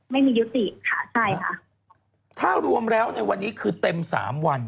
ไม่มียุติค่ะใช่ค่ะถ้ารวมแล้วในวันนี้คือเต็มสามวัน